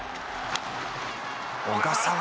「小笠原！」